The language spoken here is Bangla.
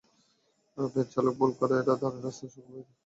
ভ্যানচালক ভুল করে ধানের বস্তার সঙ্গে বইয়ের বস্তাও ভ্যানে তুলে নিয়েছিলেন।